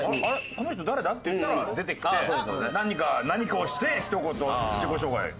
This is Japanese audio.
この人誰だ？」って言ったら出てきて何かをして一言自己紹介。